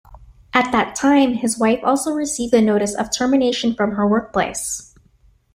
At that time, his wife also received a notice of termination from her workplace.